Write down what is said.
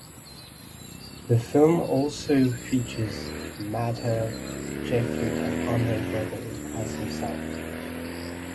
The film also features Madhur Jaffrey and Andre Gregory as himself.